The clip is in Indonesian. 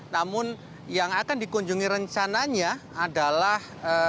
namun yang akan dikunjungi rencananya adalah